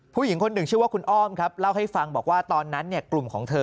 ผู้หญิงคนหนึ่งชื่อว่าคุณอ้อมครับเล่าให้ฟังบอกว่าตอนนั้นกลุ่มของเธอ